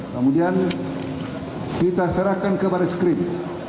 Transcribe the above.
kemudian kita serahkan ke baris krim